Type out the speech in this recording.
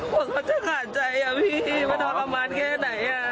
ว่าเขาจะขาดใจอะพี่มันทรมานแค่ไหนอะ